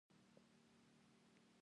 یو بل ته غږېدلو ته اړتیا لرو.